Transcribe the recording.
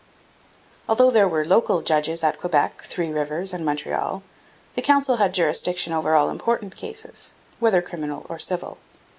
Although there were local judges at Quebec, Three Rivers, and Montreal, the Council had jurisdiction over all important cases, whether criminal or civil.